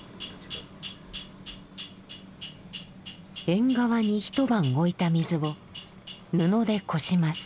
縁側にひと晩置いた水を布でこします。